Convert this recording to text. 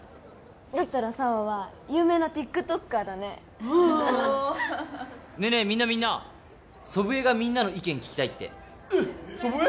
だったら紗羽は有名なＴｉｋＴｏｋｅｒだねおおねえねえみんなみんな祖父江がみんなの意見聞きたいってえっ祖父江！？